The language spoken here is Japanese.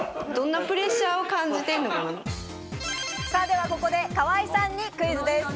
ではここで河井さんにクイズです。